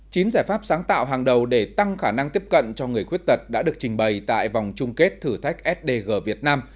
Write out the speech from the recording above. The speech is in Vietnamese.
chín giải pháp sáng tạo hàng đầu để tăng khả năng tiếp cận cho người khuyết tật đã được trình bày tại vòng chung kết thử thách sdg việt nam